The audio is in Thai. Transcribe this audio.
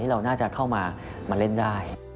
เราน่าจะเข้ามาเล่นได้